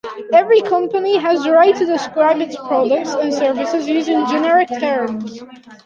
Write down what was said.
Every company has the right to describe its products and services using generic terms.